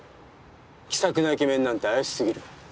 気さくなイケメンなんて怪し過ぎる。